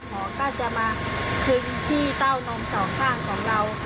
ของก็จะมาคึงที่เต้านมสองข้างของเรา